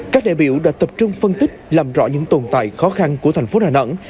các đại biểu đã tập trung phân tích làm rõ những tồn tại khó khăn của thành phố đà nẵng